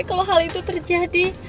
kalau hal itu terjadi